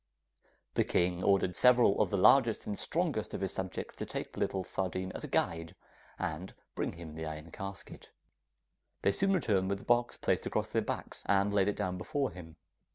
The king ordered several of the largest and strongest of his subjects to take the little sardine as a guide, and bring him the iron casket. They soon returned with the box placed across their backs and laid it down before him.